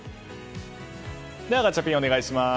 ではガチャピン、お願いします。